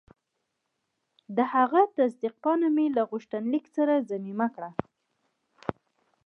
د هغه تصدیق پاڼه مې له غوښتنلیک سره ضمیمه کړه.